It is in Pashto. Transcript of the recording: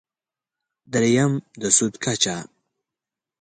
درېیم: د سود کچه.